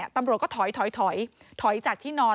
ตำรวจก็ถอยถอยจากที่นอน